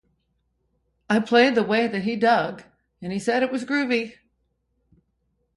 I played the way that he dug, and he said it was groovy.